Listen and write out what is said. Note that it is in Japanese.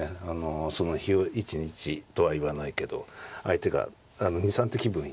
その日一日とは言わないけど相手があの２３手気分いいですよね。